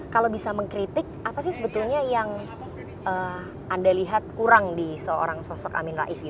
kalau bisa mengkritik apa sih sebetulnya yang anda lihat kurang di seorang sosok amin rais